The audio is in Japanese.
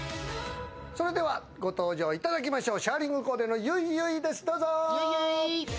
それでは、ご登場いただきましょう。